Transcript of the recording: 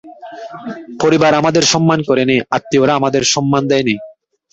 পরিবার আমাদের সম্মান করেনি, আত্মীয়রা আমাদের সম্মান দেয় নি।